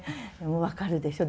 分かるでしょう？